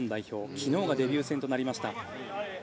昨日がデビュー戦となりました。